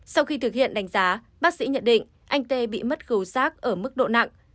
sau khi thực hiện đánh giá bác sĩ nhận định anh t bị mất khiếu rác ở mức độ nặng